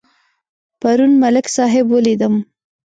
پرون ملک صاحب ولیدم.